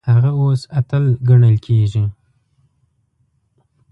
هغه اوس اتل ګڼل کیږي.